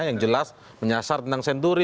yang jelas menyasar tentang senturi